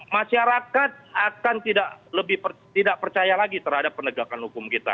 masyarakat akan tidak percaya lagi terhadap penegakan hukum kita